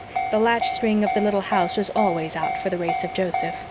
The latch string of the little house was always out for the race of Joseph.